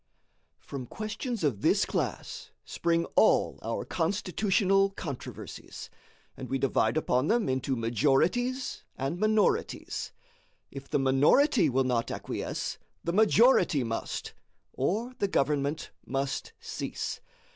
From questions of this class spring all our constitutional controversies, and we divide upon them into majorities and minorities. If the minority will not acquiesce, the majority must, or the government must cease.